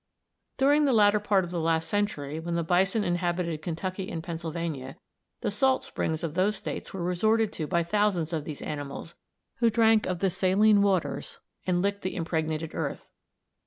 During the latter part of the last century, when the bison inhabited Kentucky and Pennsylvania, the salt springs of those States were resorted to by thousands of those animals, who drank of the saline waters and licked the impregnated earth.